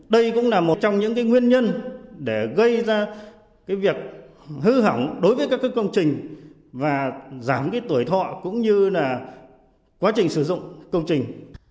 đây cũng là một trong những nguyên nhân để gây ra việc hư hỏng đối với các công trình và giảm cái tuổi thọ cũng như là quá trình sử dụng công trình